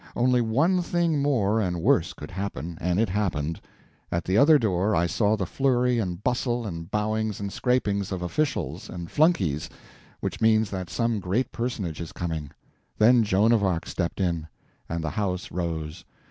Only one thing more and worse could happen, and it happened: at the other door I saw the flurry and bustle and bowings and scrapings of officials and flunkeys which means that some great personage is coming—then Joan of Arc stepped in, and the house rose!